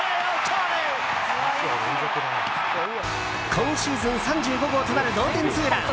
今シーズン３５号となる同点ツーラン。